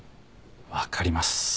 分かります。